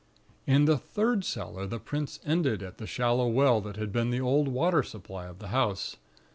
"In the third cellar the prints ended at the shallow well that had been the old water supply of the house.